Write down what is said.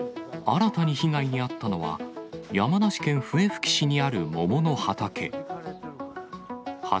新たに被害に遭ったのは、山梨県笛吹市にある桃の畑。